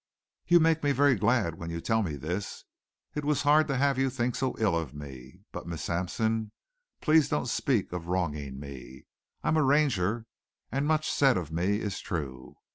"You make me very glad when you tell me this. It was hard to have you think so ill of me. But, Miss Sampson, please don't speak of wronging me. I am a Ranger, and much said of me is true.